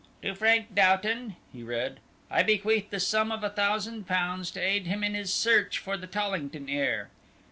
"'To Frank Doughton,'" he read, "'I bequeath the sum of a thousand pounds to aid him in his search for the Tollington heir.